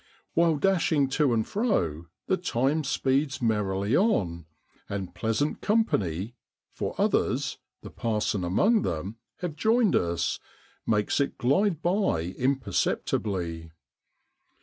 While dashing to and fro the time speeds merrily on, and pleasant com pany for others, the parson among them, have joined us makes it glide by imperceptibly.